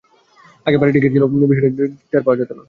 আগে বাড়ি বাড়ি ঢেঁকি ছিল বলে বিষয়টি টের পাওয়া যেত না।